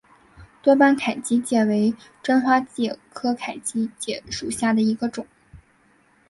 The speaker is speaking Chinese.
多斑凯基介为真花介科凯基介属下的一个种。